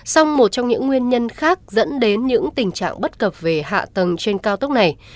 song một trong những nguyên nhân khác dẫn đến những tình trạng bất cập về hạ tầng trên cao tốc này